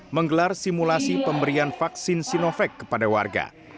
menggelar simulasi pemberian vaksin sinovac kepada warga